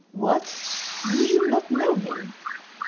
" What ! do you not know him